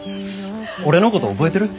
俺のこと覚えてる？